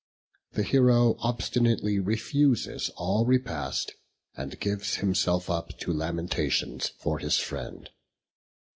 The hero obstinately refuses all repast, and gives himself up to lamentations for his friend.